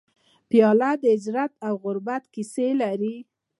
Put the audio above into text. پیاله د هجرت او غربت کیسې لري.